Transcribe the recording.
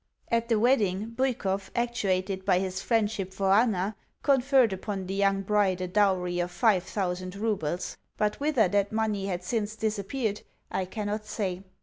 At the wedding Bwikov, actuated by his friendship for Anna, conferred upon the young bride a dowry of five thousand roubles; but whither that money had since disappeared I cannot say.